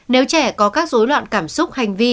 nếu trẻ có các dối loạn cảm xúc